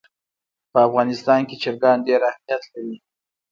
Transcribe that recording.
په افغانستان کې چرګان ډېر اهمیت لري.